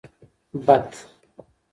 بط 🦆